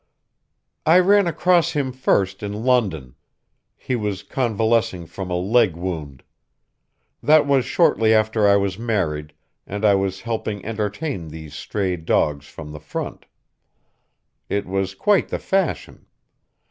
"I ran across him first in London. He was convalescing from a leg wound. That was shortly after I was married, and I was helping entertain these stray dogs from the front. It was quite the fashion.